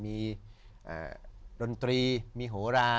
มีดนตรีมีโหรา